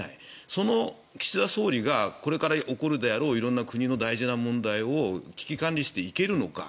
その岸田総理がこれから起こるであろう国の大事な問題を危機管理していけるのか。